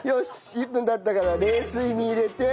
１分経ったから冷水に入れて。